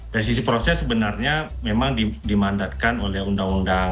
dari sisi proses sebenarnya memang dimandatkan oleh undang undang